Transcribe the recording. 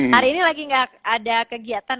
hari ini lagi nggak ada kegiatan